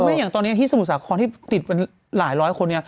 ไม่อย่างตอนนี้ที่สมุทรสาครที่ติดเป็นหลายร้อยคน